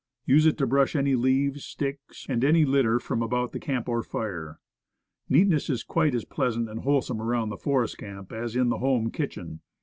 Use it to brush any leaves, sticks, and any litter from about the camp or fire. Neatness is quite as pleasant and wholesome around the forest camp as in the home kitchen.